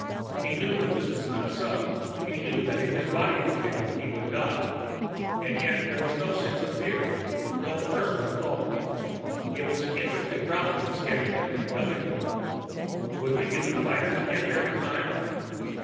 He knew that this was not so. He knew that if his body were killed, he would die. And yet there was no sense of fear, no personal involvement. It was an interesting problem in scheduling and nothing more. Would the human fighters get there in time?